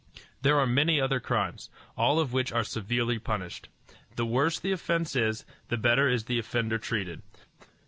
There are many other crimes, all of which are severely punished. The worse the offence is, the better is the offender treated.